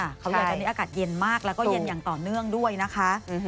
อากาศเย็นมากแล้วก็เย็นต่อเนื่องด้วยนะคะ